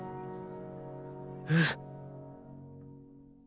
うん。